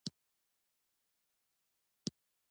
تر ده وروسته د اشرافو سلسله مراتب و